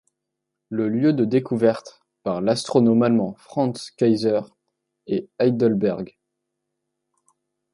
Le lieu de découverte, par l'astronome allemand Franz Kaiser, est Heidelberg.